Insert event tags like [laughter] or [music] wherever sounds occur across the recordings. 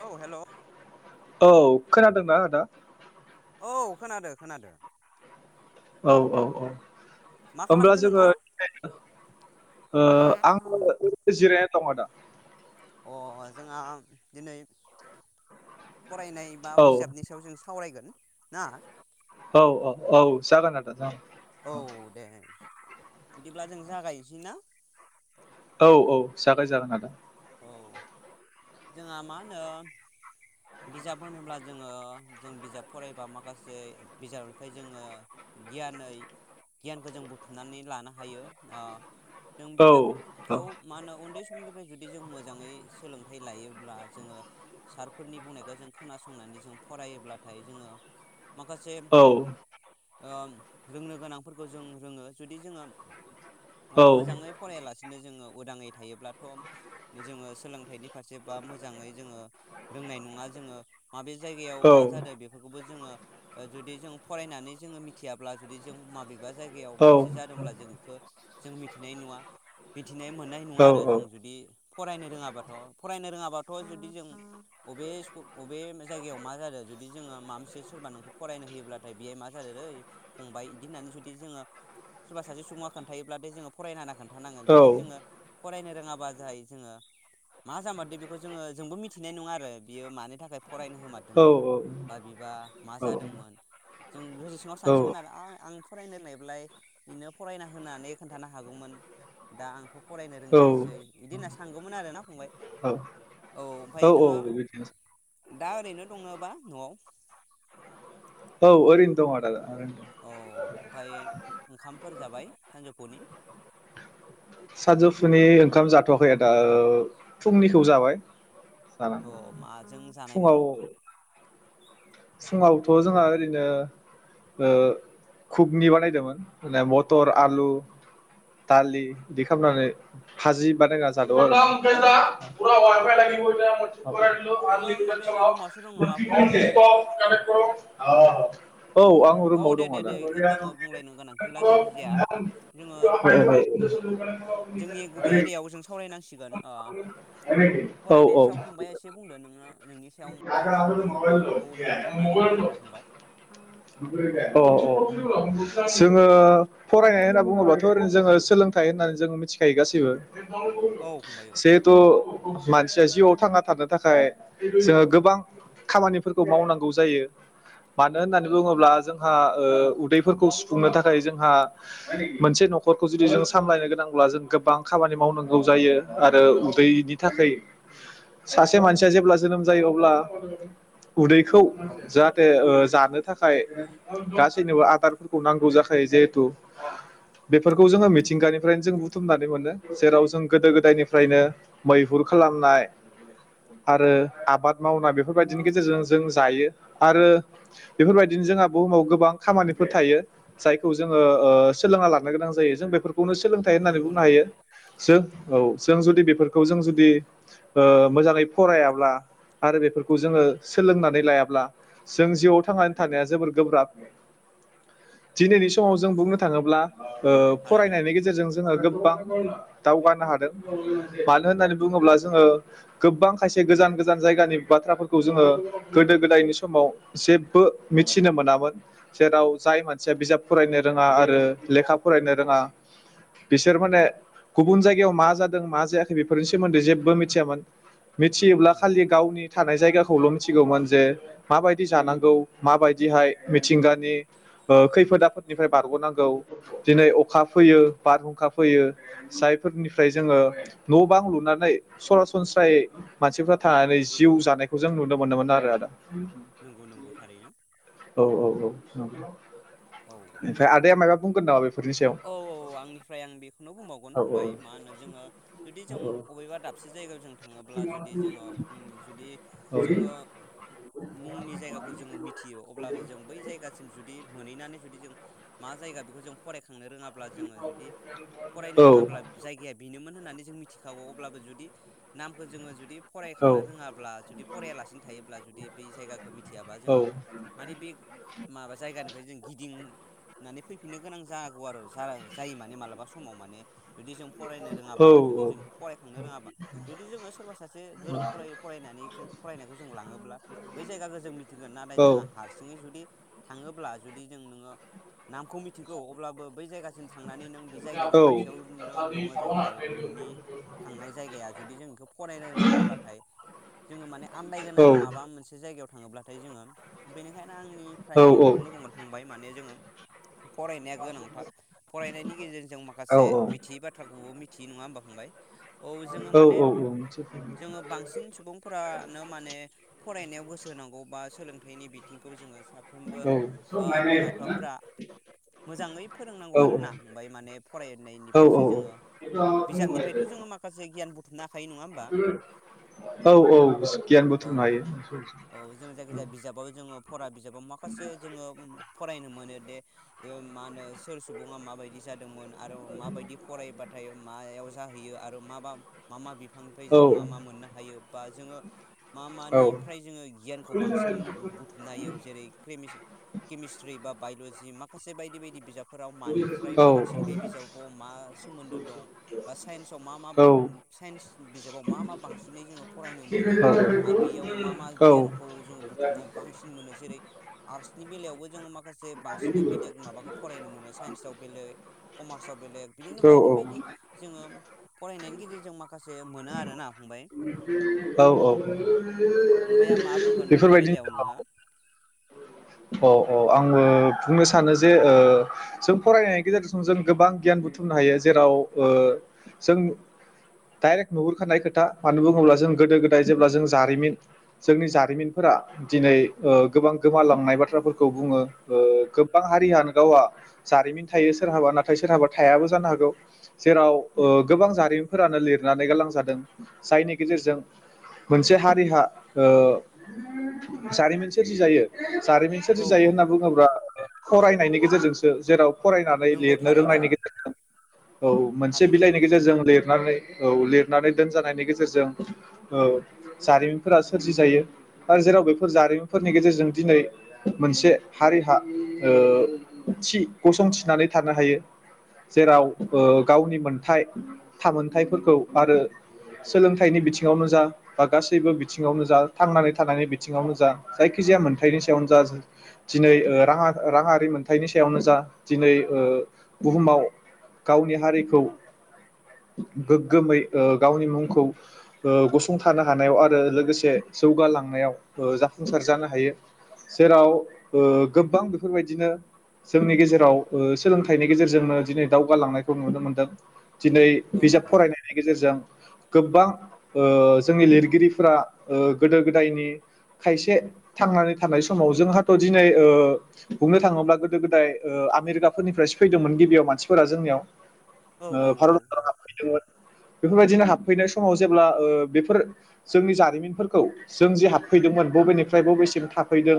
औ हेल' औ खोनादोंना आदा? औ खोनादो खोनादो। औ औ औ मा होमब्ला खालामदो जोङो नोङो [unintelligible] ओ आंङो [unintelligible] जिरायना दङ दा अ जोंहा दिनै फरायनाय बा औ बिजाबनि सायाव जों सावरायगोन। ना औ औ औ जागोन आदा जागोन। औ दे। बिदिब्ला जों जागायनोसै ना? औ औ जागाय जागोन आदा। औ जोंहा मा होनो बिजाब होनोब्ला जोङो जों बिजाब फरायबा माखासे बिजाबनिफ्राय जोङो गियानैै गियानखौ जों बुथुमनानै लानो हायो आ जों औ औ बिजाबखौ मा होनो उन्दै निफ्राय जुदि जों मोजाङै सोलों है लायोब्ला जोङो सारफोरनि बुंनायखौ जों खोनासंनानै जों फरायोब्लाथाय जोङो माखासे औ औ आ रोंनो गोनांफोरखौ जों रोङो जुदि जोङो ओ मोजाङै फरायालासे नो जोङो उदाङै थायोब्लाथ' जोङों सोंथाइनि फारसे बा मोजाङै जोङो रोंनाय नङा जोङो माबे जायगायाव मा जादो बेफोरखौबो जोङो जुदि जों फरायनानै जोङो मिथियाब्ला जुदि जों माबेबा जायगायाव माबा मोनसे जादोंब्ला जों बेखौ जों मिथिनाय नङा मि थिनाय मोननाय नङा आरो जों जुदि फरायनो रोङाबाथ' फरायनो रोङाबाथ' जुदि जों अबे स्कु अबे जायगायाव मा जादो जुदि जोङो माबा मोनसे सोरबा नोंखौ फरायनो होयोब्लाथाय बेयो मा जादो दै फंबाय इदि होननानै जुदि जोङो सोरबा सासे सुबुङा खोन्थायोब्ला बे जोङो फरायनो हाना खोन्थानांगोन जुदि जोङो फरायनो रो ङाबा जायो जोङो मा जामारदो बेखौ जोङो जोंबो मिथिनाय नङा आरो बियो मानो थाखाय फरायनो होमारदोंमोन औ औ बा बिबा मा जादोंमोन जों गोसो सिङाव सानसिगोन आरो आ आं फरायनो रोंनायब्लाय बिनो फरायना होनानै खोन्थानो हागौमोन दा आंथ' फरायनो रोंदियासै बिदि होनना सानगौमोन आरो ना फंबाय। औ ओमफ्राय औ औ नोङो औ बिबायदिनो सान दा ओरैनो दङोबा न'आव। औ ओरैनो दङ [unintelligible] औ ओमफाय ओंखामफोर जाबाय सानजौफुनि? सानजौफुनि ओंखाम जाथ'आखैदा फुंनिखौ जाबाय। अ [unintelligible] माजों जानायमोन फुङाव फुङावथ' जोंहा ओरैनो ओ खुगनि बानायदोंमोन माने मटर आलु दालि बिदि खालामनानै भाजि बानायना जादोंमोन आरो [unintelligible] अ नोङो माबायाव [unintelligible] रुमावसो दं नामा फंबाय [unintelligible] औ आं औ रुमाव दे दङ दे आदा दे बेखौ जोङो बुंलायनो गोनांथि गैला जायखिजाया जोङो जोंनि गुबै आयदायाव जों सावरायनांसिगोन ओ [unintelligible] औ फरायनायनि औ सायाव फंबाया एसे बुंदो नोङो खौ [unintelligible] नोङो बुंनानै फोरमायदो फंबाय। [unintelligible] अ अ जोङो फरायनाय होनना बुङोबाथ' ओरैनो जोङो सोलोंथाइ होननानै जोंङो मिथिखायो गासैबो। औ फंबाय औ [unintelligible] जेहेथु मानसिया जिउआव थांना थानो थाखाय जो गोबां खामानि खौ मावनांगौ जायो मानो होननानै बुङोब्ला जोंहा उदैफोरखौ सुफुंनो थाखाय जोंहा मोनसे न'खरखौ जुदि जों सामलायनो गोनांब्ला जों गोबां खामानि मावनांगौ जायो आरो उदैनि थाखै सासे मानसिया जेब्ला जोनोम जायो अब्ला उदैखौ जाहाथे ओ जानो थाखाय गासैनोबो आदारफोरखौ नांगौ जाखायो जहेथु बेफोरखौ जोङो मिथिंगानिफ्रायनो जों बुथुमनानै मोनो जेराव जों गोदो गोदायनिफ्रायनो मैहुर खालामनाय आरो आबाद मावनाय बेफोरबाय दिनि गेजेरजों जों जायो आरो बेफोरबायदिनो जोंहा बुहुमाव गोबां खामानिफोर थायो जायखौ जोङो ओ सोलोंना लानो गोनां जायो जों बे बेखौनो सोलोंथाइ होननानै नंगौ बुंनो नंगौ हायो। जों औ जों जुदि बेफोरखौ जों जुदि ओ मोजाङै फरायाब्ला आरो बेफोर खौ जोङो सोलोंनानै लायाब्ला जों जिउआव थांनानै थानाया जोबोर गोब्राब। दिनैनि समाव जों बुंनो थाङोब्ला ओ थारैनो फरायनायनि गेजेरजों जोङो गो गोबां दावगानो हादों मानो होननानै बुङोब्ला जोङो गोबां खायसे गोजान गोजान जायगानि बाथ्राफोरखौ जोङो गोदो गोदायनि समाव जेब्बो मिथिनो मोनामोन जेराव जाय मानसिया बिजाब फरायनो रोङा आरो लेखा फरायनो रोङा बिसोर माने गुबुन जायगायाव मा जादों मा जायाखै बेफोरनि सोमोन्दै जेबो मिथियामोन। मिथियोब्ला नंगौ खालि गावनि थानाय जायगाखौल' मिथिगौमोन जे माबायदि जानांगौ माबायदिहाय मिथिंगानि खैफोद आफोदनिफ्राय बारग'नांगौ दिनै अखा फैयो बारहुंखा फैयो जायफोरनिफ्राय जोङो न' बां लुनानै सरासनस्रायै मानसिफ्रा थानानै जिउ जानायखौ जों नुनो मोनोमोन आरो आदा [inaudible] नंगौ नंगौ थारैनो औ औ औ [unintelligible] औ [unintelligible] फ्राय आदाया मा बुंगोन ना औ औ आंनिफ्राय आं बेखौनो बुंबावगोन फंबाय मा होनो जोङो जुदि जों अबेबा दाबसे जायगायाव जों थाङोब्ला जुदि जोङो उम जुदि औ जोङो मुंनि जायगाखौ जोङो मिथियो अब्लाबो जों बै जायगासिम जुदि मोनहैनानै जुदि [unintelligible] मा जायगा बेखौ जों फरा थांनो रोङाब्ला जोङो जुदि फरायनो औ रोङाब्ला जायगाया बिनोमोन होननानै जों मिथिखागौ अब्लाबो जुदि नामखौ जोङो जुदि औ फरायखांनो रोङाब्ला जुदि फरायलासिनो थायो ब्ला जुदि बै जायगा खो मिथियाबा जोङो माने बे माबा जायगानिफ्राय जों गिदिं नानै फैफिननो गोनां जा गौ आरो जा-जायो माने मालाबा समाव माने जुदि जों फरायनो औ रोङाबा जुदि जोंखौ फरायखांनो रोङाबा जुदि जोङो सोरबा सासे गोरों फरायै फरायनानै फरायनायखौ जों लाङोब्ला। बै जायगाखौ जों मिथि गोन नाथाय औ जोङो हारसिङै जुदि थाङोब्ला जुदि जों नोङो नामखौ मिथिगौ अब्लाबो बै जायगानि जों थांनानै नों बे औ औ जाय खाथियावनो दङ जायखि जाया नोंनि थांनाय जायगाया जुदि जों बेखौ फरायनो रोङाब्लाथाय जोङो माने आन्दायगोन आरो माबा मोनसे जायगायाव। थाङोब्लाथाय जोङो बेनिखायनो आंनिफ्राय आं बेखौनो बुंगोन फंबाय माने जोङो फरानाय गोनांथार फरायनायनि गेजेरजों औ माखासे मिथियै बाथ्राखौबो मिथि थि नङा होमबा फंबाय। औ जोङो औ माने औ मोनसे जोङो बांसिन सुबुंफोरानो माने फरायनायाव गोसो होनांगौ बा सोलोंथाइनि बिथिंखौ जोङो साफ्रोमबो औ स ओ म बिमा बिफाफोरा मोजाङै फोरोंनांगौ आरोना ओमफ्राय माने फरायनायनिफ्रायसो जोङो बिजाबनिफ्रायथ' जोङो माखासे गियान बुथुमना थायो नङा होमबा औ औ गियान औ बुथुमनो हायो -औ- जोङो जायखिजाया बिजाबाव जोङो फरा बिजाबाव माखासे जोङो फरायनो मोनो दे ए माहोनो सोर सुबुङा माबायदि जादोंमोन? आरो माबायदि फरायबाथाय मायाव जाहैयो आरो मा बा मा मा बिफो। बिफांनिफ्राय औ जोङो मा मा मोननो हायो। बा जोङो मा औ मानिफ्राय जोङो गियानखौ औ बांसिन बुथुमनो हायो जेरै क्रिमिस केमिस्ट्रि बा बाय'ल'जि मा माखासे बायदि बायदि बिजाबफोराव औ मानिफ्राय औ बांसिन बे बिजाबाव मा सोमोन्दो दं बा साइन्सआव मा मा साइन्स बिजाबाव मा मा बांसिनै जोङो फरायनो मोनो बा बेयाव मा मा गियानखौ जोङो बुथुमनो बांसिन मोनो जेरै- आर्टस नि बेलायावबो जोङो माख माखासे बांसिन। बि बेलेग माबाखौ फरायनो मोनो साइन्सआव बेलेग कमार्सआव बेलेग बिदिनो बायदि बायदि जोङो। फरायनायनि गेजेरजों माखासे मोनो आरोना। फंबाय औ -औ फंबाया मा बुंगोन बेनि बे-फोरबायदिनो बेलायाव नोङो औ -अ-अ आङो बुंनो सानो जे ओ जों फरायनायनि गेजेरजों जों गोबां गियान बुथुमनो हायो जेराव ओ जों डाइरेक्ट नुहुरखानाय खोथा मानो बुङोब्ला जों गोदो गोदाय जेब्ला जों जारिमिन जोंनि जारिमिनफोरा दिनै ओ गोबां गोमालांनाय बाथ्राफोरखौ बुङो ओ गोबां हारियानो गावआ जारिमिन थायो सोरहाबा नाथाय सोरहाबा थायाबो जानो हागौ जेराव ओ गोबां जारिमिनफोरानो लिरनानै गालां जादों। जायनि गेजेरजों मोनसे हारिहा ओ जारिमिन सोरजि जायो। जारिमिन सोर जि औ जायो औ होनना बुङोब्ला। फरायनायनि गेजेरजोंसो जेराव फरायनानै नंगौ लिरनो थारैनो रोंनायनि गेजेरजों औ मोनसे थारैनो बिलाइनि गेजेरजों लिरनानै औ लिरनानै दोन जानायनि गेजेरजों जारिमिनफोरा सोरजि जायो आरो जेराव बेफोर जारिमिनफोरनि गेजेरजों दिनै मोनसे हारिहा ओ थि गसं थिनानै थानो हायो जेराव ओ गावनि मोनथाइ थामोनथाइफोरखौ आरो सोलोंथाइनि बिथिङावनो जा बा गासैबो बिथिङावनो जा थांनानै थानायनि बिथिङावनो जा जायखिजाया मोनथाइनि सायावनो जा दिनै राङा राङारि मोनथायाइनि सायावनो जा दिनै ओ बुहुमाव गावनि हारिखौ गोग्गोमै गावनि मुंखौ ओ गसंथानो हानायाव आरो लोगोसे जौगालांनायाव ओ जाफुंसार जानो हायो जेराव ओ गोबां बेफोरबायदिनो जोंनि गेजेराव ओ सोलोंथाइनि गेजेरजोंनो दिनै दावगालांनायखौ नुनो मोनदों दिनै औ बिजाब औ फरायनायनि गेजेरजों गोबां ओ जोंनि लिरगिरिफोरा ओ गोदो गोदायनि खायसे थांनानै थानाय समाव जोंहाथ' दिनै ओ बुंनो थाङोब्ला गोदो गोदाय ओ आमेरिकाफोरनिफ्रायसो फैदोंमोन गिबियाव मानसिफोरा जोंनियाव औ औ ओ भारत [unintelligible] बेफोरबादि बिदिनो हाबफैनाय समाव जेब्ला ओ बेफोर जोंनि जारिमिनफोरखौ जों जि हाबफैदोंमोन बबेनिफ्राय बबेसिम थाफैदों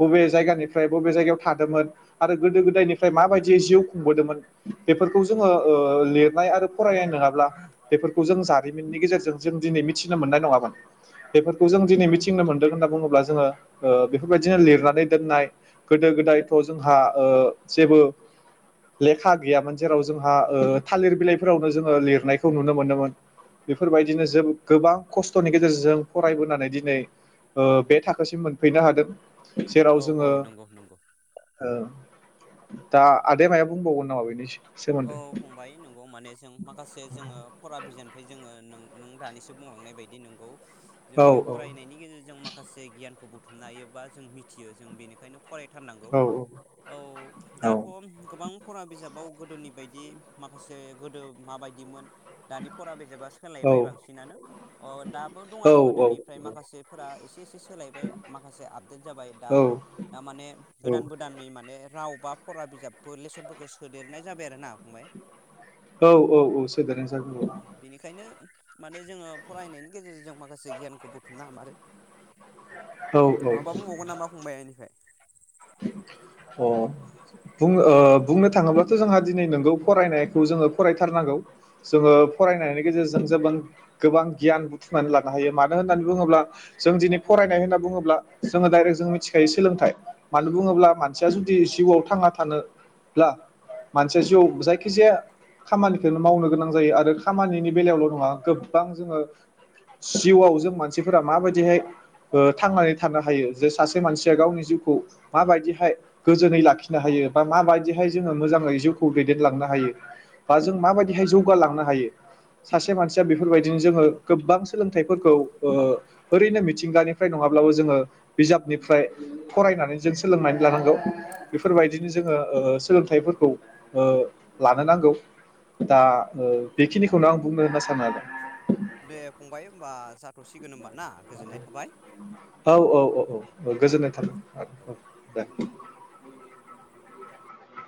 बबे जायगानिफ्राय बबे जायगायाव थादोंमोन आरो गोदो गोदायनिफ्राय माबायदि जिउ खुंबोदोंमोन बेफोरखौ जोङो ओ लिरनाय आरो फरायनाय नङाब्ला बेफोरखौ जों जारिमिननि गेजेरजों जों दिनै मिथिनो मोननाय नङामोन बेफोरखौ जों दिनै मिथिनो मोनदों होनना बुङोब्ला जोङो ओ बेफोरबायदिनो लिरनानै दोननाय गोदो गोदायथ' जोंहा ओ जेबो लेखा गैयामोन जेराव जोंहा ओ थालिर बिलाइफोरावनो जोङो लिरनाय खौ नुनो मोनोमोन बेफोरबायदिनो जों गोबां खस्थ'नि गेजेरजों जों फरायबोनानै दिनै ओ बे थाखोसिम मोनफैनो हादों जेराव औ औ जोङो नंगौ नंगौ दा आदाया मायबा बुंबावगोन नामा बेनि औ सोमोन्दै फंबाय नंगौ माने जों माखासे जोङो फरा बिजाननिफ्राय जोङो नों दानिसो बुंलांनाय बायदि नंगौ औ जोङो फरायनायनि गेजेरजों माखासे गियानखौ बुथुम बुथुमनो हायो बा जों मिथियो जों बेनिखायनो फराय थारनांगौ औ औ दाथ' गोबां फरा बिजाबाव गोदोनि बेबायदि माखासे गोदो माबायदिमोन दानि फरा बिजाबा सोलायबाय बांसिनानो अ दाबो दं औ आरो गोदोनिफ्राय माखासेफोरा एसे एसे सोलायबाय माखासे आपडेट जाबाय दा दा माने औ गोदान गोदाननि माने राव फरा बिजाबफोर लेसनफोरखौ सोदेरनाय जाबाय बेनोना फंबाय औ औ औ सोदेरनाय औ जाबाय बेनिखायनो माने जोङो फरायनायनि गेजेरजों जों माखासे गियानखौ बुथुमनो हामारो औ माबा बुंबावगोन नामा फंबाय एनिफ्राय अ बुंनो थाङोब्लाथ' जोंहा दिनै नोंगौ फरायनायखौ जोङो फरायथारनांगौ जोङो फरायनायनि गेजेरजों जेबां गोबां गियान बुथुमनानै लानो हायो मानो होननानै बुङोब्ला जों दिनै फरायनाय होनना बुङोब्ला जोङो डाइरेक्ट जों मिथिखायो सोलोंथाइ मानो बुङोब्ला मानसिया जुदि जिउआव थांना थाब्ला मानसिया जिउआव जायखिजाया खामानिखौनो मावनो गोनां जायो आरो खामानिनि बेलायावल' नङा गोबां जोङो जिउआव जों मानसिफोरा माबायदिहाय ओ थांनानै थानो हायो जे सासे मानसिया गावनि जिउखौ माबायदिहाय गोजोनै लाखिनो हायो बा माबायदिहाय जोङो मोजाङै जिउखौ दैदेनलांनो हायो बा जों माबायदिहाय जौगालांनो हायो सासे मानसिया बेफोरबायदिनो जोङो गोबां सोलोंथाइफोरखौ ओरैनो मिथिंगानिफ्राय नङाब्लाबो जोङो बिजाबनिफ्राय फरायनानै जों सोलोंनानै लानांगौ बेफोरबायदिनो जोङो ओ सोलोंथाइफोरखौ ओ लानो नांगौ दा बेखिनिखौनो आं बुंनो होनना सानो आरो दे फंबाय होमबा जाथ'सिगोन होमबा ना गोजोननाय थाबाय औ औ दे औ दे गोजोननाय औ थाबाय आदा दे